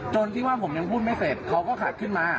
จนที่ว่าผมยังพูดไม่เสร็จเขาก็ขับขึ้นมา